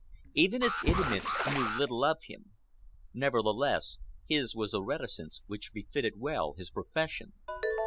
Even his intimates knew little of him. Nevertheless, his was the reticence which befitted well his profession.